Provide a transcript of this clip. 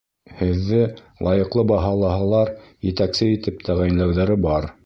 Һеҙҙе лайыҡлы баһалаһалар, етәксе итеп тәғәйенләүҙәре бар.